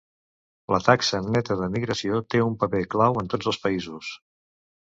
La taxa neta de migració té un paper clau en tots els països.